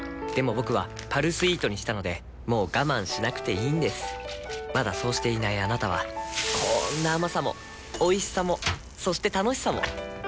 僕は「パルスイート」にしたのでもう我慢しなくていいんですまだそうしていないあなたはこんな甘さもおいしさもそして楽しさもあちっ。